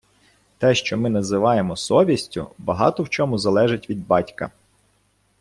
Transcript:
Те, що ми називаємо совістю, багато в чому залежить від батька.